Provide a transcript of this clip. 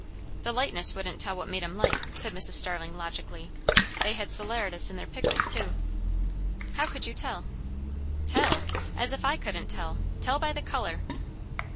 "The lightness wouldn't tell what made 'em light," said Mrs. Starling logically. "They had salaratus in their pickles too." "How could you tell?" "Tell? As if I couldn't tell! Tell by the colour."